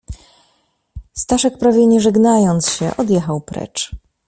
"Staszek, prawie nie żegnając się, odjechał precz."